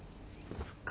復活？